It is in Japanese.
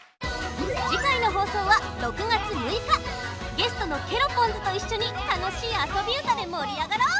ゲストのケロポンズといっしょにたのしいあそびうたでもりあがろう！